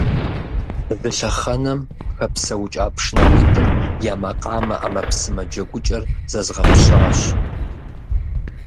Зы лъэхъэнэм хэпсэукӀа пшынауитӀым я макъамэ Ӏэмэпсымэ джэгукӀэр зэзгъэпщащ.